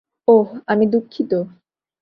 ওহ, আমি দুঃখিত।